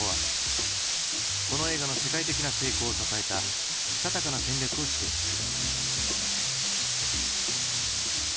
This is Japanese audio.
この映画の世界的な成功を支えたしたたかな戦略を指摘する。